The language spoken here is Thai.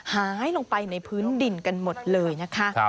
หายลงไปในพื้นดินกันหมดเลยนะคะ